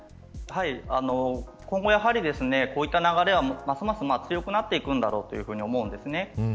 今後やはり、こういった流れはますます強くなっていくと思うんです。